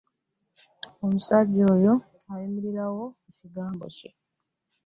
Omusajja oyo ayimirirawo ku kigambo kye.